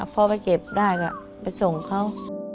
พอไปเก็บได้ก็ไปส่งเขา